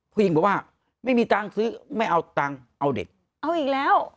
ผู้หญิงบอกว่าไม่มีเงินซื้อไม่เอาเงินซื้อเอาเด็กเอาอีกแล้ว